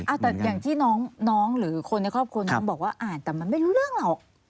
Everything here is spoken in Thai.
อย่างที่น้องหรอคนในครอบครูอาจบอกว่าอ่านแต่มันไม่รู้เรื่องหรอก